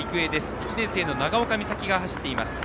１年生の長岡みさきが走っています。